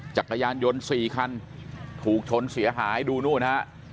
จักรยานยนต์๔คันถูกชนเสียหายดูนู่นฮะ